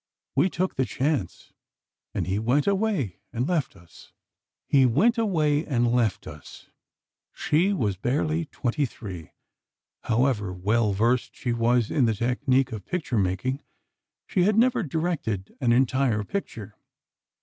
We took the chance, and he went away and left us." "He went away and left us!" She was barely twenty three. However well versed she was in the technique of picture making, she had never directed an entire picture.